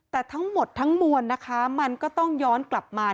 แต่ทั้งหมดทั้งมวลนะคะมันก็ต้องย้อนกลับมา